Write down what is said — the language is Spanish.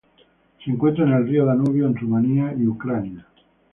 Se encuentra en el río Danubio en Rumanía y Ucrania.